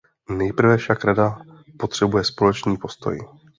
Nejprve však Rada potřebuje společný postoj.